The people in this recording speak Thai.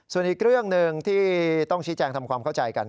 ส่วนอีกเรื่องหนึ่งที่ต้องชี้แจงทำความเข้าใจกัน